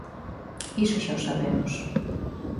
Iso xa o sabemos.